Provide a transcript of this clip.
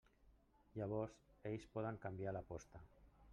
Llavors ells poden canviar l'aposta.